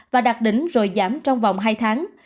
và đạt đỉnh rồi giảm trong vòng hai tháng